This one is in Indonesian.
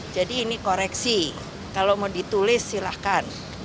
jadi ini koreksi kalau mau ditulis silahkan